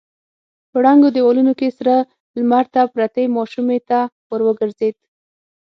په ړنګو دېوالونو کې سره لمر ته پرتې ماشومې ته ور وګرځېد.